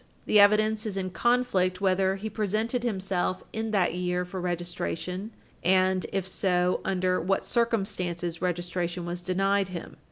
The evidence is in conflict whether he presented himself in that year for registration and, if so, under what circumstances registration was denied him.